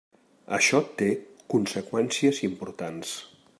Això té conseqüències importants.